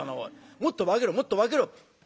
もっと化けろもっと化けろ」。